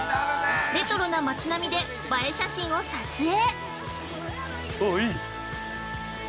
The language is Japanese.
レトロな街並みで映え写真を撮影。